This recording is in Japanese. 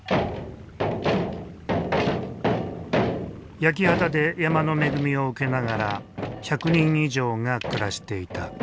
焼き畑で山の恵みを受けながら１００人以上が暮らしていた。